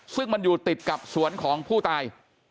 ซึ่งมันอยู่ติดกับสวนของผู้ตาย